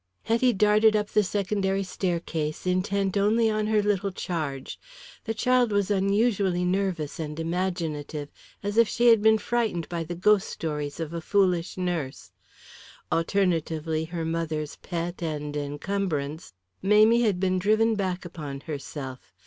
Hetty darted up the secondary staircase intent only on her little charge. The child was unusually nervous and imaginative, as if she had been frightened by the ghost stories of a foolish nurse. Alternatively her mother's pet and encumbrance, Mamie had been driven back upon herself.